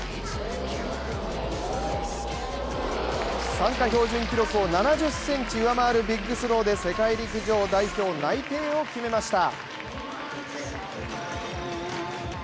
参加標準記録を７０ｃｍ上回るビッグスローで世界陸上代表内定を決めました。